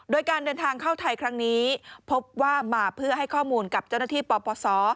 โดยการเดินทางเข้าไทยครั้งนี้พบว่ามาเพื่อให้ข้อมูลกับเจ้าหน้าที่ปปศ